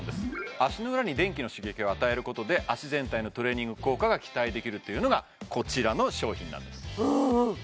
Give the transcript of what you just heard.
足の裏に電気の刺激を与えることで脚全体のトレーニング効果が期待できるというのがこちらの商品なんです